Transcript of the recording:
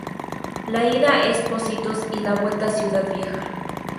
La ida es Pocitos y la vuelta Ciudad Vieja.